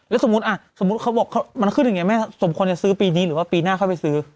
แล้วสมมุติสมมุติเขาบอกมันขึ้นอย่างนี้แม่สมควรจะซื้อปีนี้หรือว่าปีหน้าเข้าไปซื้อ